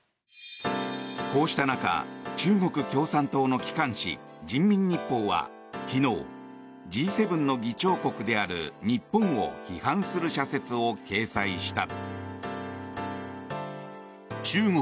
こうした中中国共産党の機関紙・人民日報は昨日、Ｇ７の議長国である日本を批判する社説を掲載した。